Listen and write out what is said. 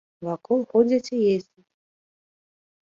Вакол ходзяць і ездзяць.